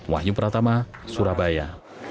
wahyu pratama surabaya